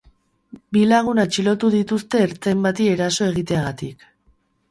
Bi lagun atxilotu dituzte ertzain bati eraso egiteagatik.